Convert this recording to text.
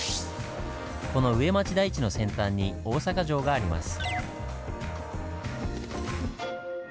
この上町台地の先端に大阪城があります。